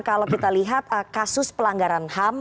kalau kita lihat kasus pelanggaran ham